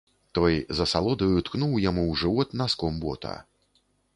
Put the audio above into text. Той з асалодаю ткнуў яму ў жывот наском бота.